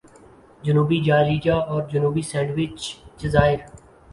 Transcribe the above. جنوبی جارجیا اور جنوبی سینڈوچ جزائر